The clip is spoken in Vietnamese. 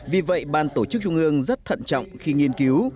vì vậy ban tổ chức trung ương rất thận trọng khi nghiên cứu